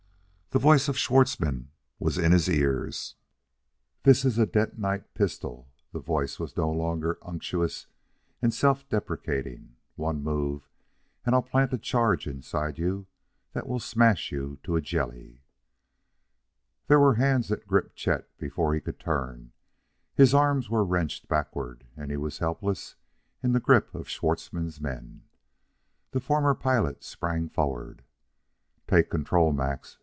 The voice of Schwartzmann was in his ears. "This is a detonite pistol" that voice was no longer unctuous and self deprecating "one move and I'll plant a charge inside you that will smash you to a jelly!" There were hands that gripped Chet before he could turn; his arms were wrenched backward; he was helpless in the grip of Schwartzmann's men. The former pilot sprang forward. "Take control, Max!"